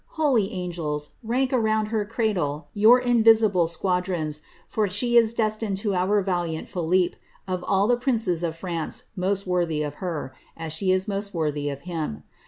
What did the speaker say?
Holy angels, rank around her cradle your invisible squad rons, for she is destined to our valiant Philippe, of nil the princes of France most worthy of her, as she is most worthy of him.